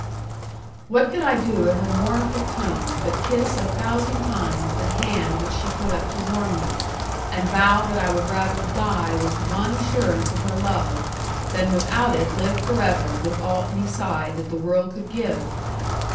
What could I do at her mournful tone, but kiss a thousand times the hand which she put up to warn me, and vow that I would rather die with one assurance of her love, than without it live for ever with all beside that the world could give?